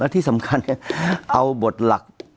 ที่สำคัญเอาบทหลัก